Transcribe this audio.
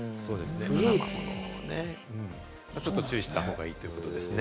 ちょっと注意した方がいいということですね。